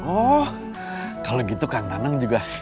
oh kalau gitu kang nanang juga happy